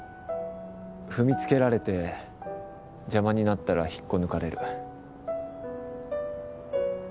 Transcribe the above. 踏みつけられて邪魔になったら引っこ抜かれる。